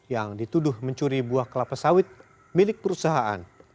yang dituduh mencuri buah kelapa sawit milik perusahaan